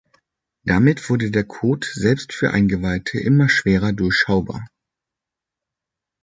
Damit wurde der Code, selbst für Eingeweihte immer schwerer durchschaubar.